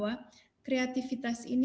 yaitu semuanya jadi keseimbangan baru zhaozang